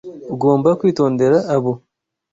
Ugomba kwitondera abo.